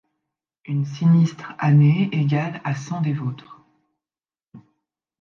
Une sinistre année, égale à cent des vôtres ;